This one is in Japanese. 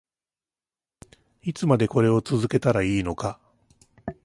いつまでこれを続けたらいいのか